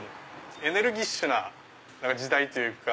エネルギッシュな時代というか。